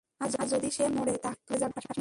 আর যদি সে মরে তাহলে তুই ফেঁসে যাবি না রাশমি।